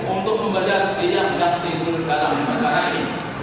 untuk membadal pihak yang tidak dihukum dalam negara ini